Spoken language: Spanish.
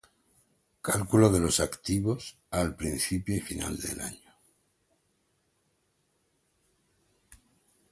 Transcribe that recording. Cálculo de los activos al principio y final del año: